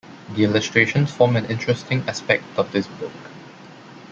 The illustrations form an interesting aspect of this book.